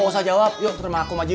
tidak usah jawab ayo ke rumah akum saja